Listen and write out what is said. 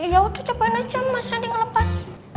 ya udah cobain aja mas randy ngelepas